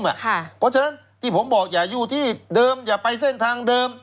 เพราะฉะนั้นที่ผมบอกอย่าอยู่ที่เดิมอย่าไปเส้นทางเดิม